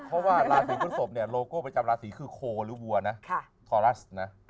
เพราะว่าราศีฟื้นศพโลโก้ประจำราศีคือโคหรือวัวทอลลัส